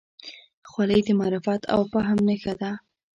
خولۍ د معرفت او فهم نښه ده.